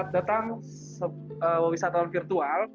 datang sebuah wisata virtual